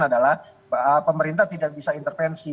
yang terlihat adalah pemerintah tidak bisa intervensi